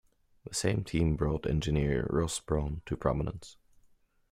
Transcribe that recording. The same team brought engineer Ross Brawn to prominence.